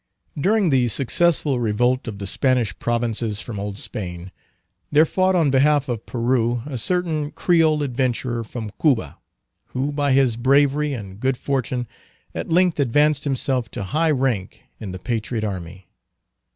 During the successful revolt of the Spanish provinces from Old Spain, there fought on behalf of Peru a certain Creole adventurer from Cuba, who, by his bravery and good fortune, at length advanced himself to high rank in the patriot army.